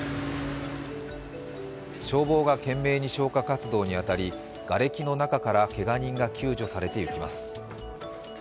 消防が懸命に消火活動に当たり、がれきの中から、けが人が救助されていきます。